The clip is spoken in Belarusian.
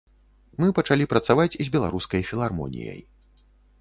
Мы пачалі працаваць з беларускай філармоніяй.